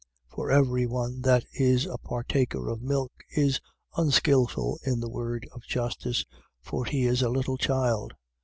5:13. For every one that is a partaker of milk is unskilful in the word of justice: for he is a little child.